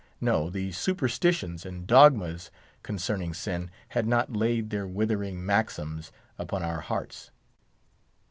No; the superstitions and dogmas concerning Sin had not laid their withering maxims upon our hearts.